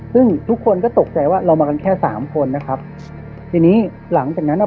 ซึ่งทุกคนก็ตกใจว่าเรามากันแค่สามคนนะครับทีนี้หลังจากนั้นอ่ะ